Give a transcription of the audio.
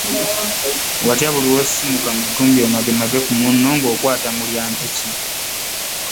Watya buli lw’osisimuka mu matumbi budde omagemage ku munno ng’okwata mu lya mpiki?